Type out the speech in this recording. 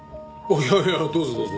いやいやどうぞどうぞ。